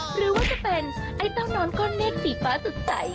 หรือว่าจะเป็นไอ้เต้านอนก้อนเมฆสีฟ้าสดใส